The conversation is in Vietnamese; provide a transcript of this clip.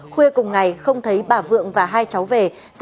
khuya cùng ngày không thấy bà vượng và hai cháu về